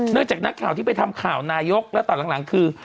จากนักข่าวที่ไปทำข่าวนายกแล้วตอนหลังคือ